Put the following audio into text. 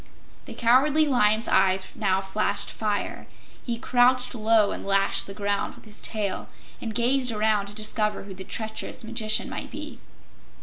The Cowardly Lion's eyes now flashed fire; he crouched low and lashed the ground with his tail and gazed around to discover who the treacherous magician might be.